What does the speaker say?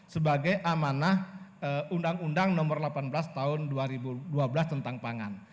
sebagai amanah undang undang nomor delapan belas tahun dua ribu dua belas tentang pangan